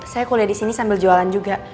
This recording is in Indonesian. saya kuliah di sini sambil jualan juga